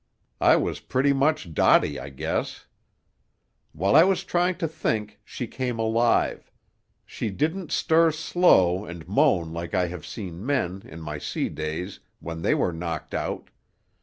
I was pretty much dotty, I guess. "While I was trying to think she came alive. She didn't stir slow and moan like I have seen men, in my sea days, when they were knocked out.